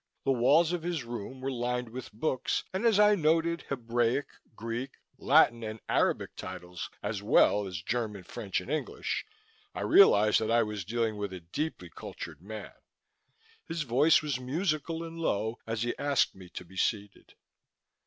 The walls of his room were lined with books and as I noted Hebraic, Greek, Latin and Arabic titles, as well as German, French and English, I realized that I was dealing with a deeply cultured man. His voice was musical and low, as he asked me to be seated.